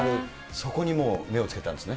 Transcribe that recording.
そこにもう、目をつけたんですね。